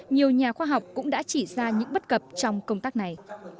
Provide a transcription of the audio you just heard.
nhiều nhà khoa học cũng đã chỉ ra những bất cập trong công tác này